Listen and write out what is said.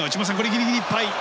ギリギリいっぱい！